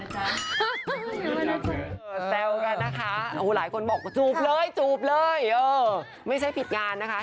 แจวกันนะคะหลายคนบอกจุ๊บเลยไม่ใช่ผิดงานนะคะ